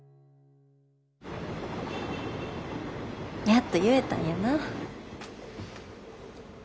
やっと言えたんやな。